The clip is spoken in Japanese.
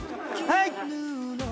はい！